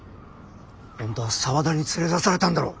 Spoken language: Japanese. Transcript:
ほんとは沢田に連れ出されたんだろ？